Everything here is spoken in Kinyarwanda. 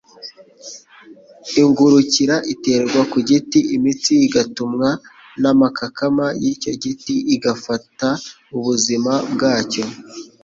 Ingurukira iterwa ku giti, imitsi igatumywa n'amakakama y'icyo giti igafata ubuzima bwacyo,